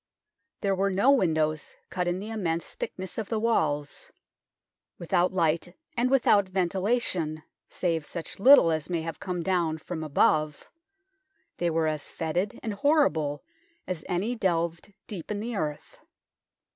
There were no windows cut in the immense thickness of the walls ; without light and without ventilation, save such little as may have come down from above, they were as fetid and horrible as any delved deep in the earth.